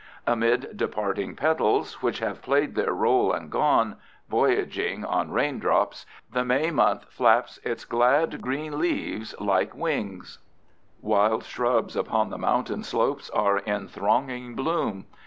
Amid departing petals which have played their role and gone, voyaging on raindrops, "the May month flaps its glad green leaves like wings." Wild shrubs upon the mountain slopes are in thronging bloom.